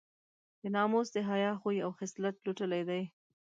د ناموس د حیا خوی او خصلت لوټلی دی.